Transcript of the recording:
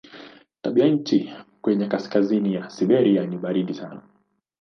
Tabianchi kwenye kaskazini ya Siberia ni baridi sana.